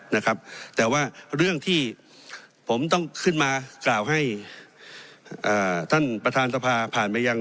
นะครับแต่ว่าเรื่องที่ผมต้องขึ้นมากล่าวให้อ่าท่านประธานสภาผ่านไปยัง